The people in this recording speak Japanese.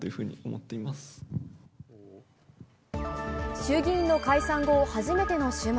衆議院の解散後、初めての週末。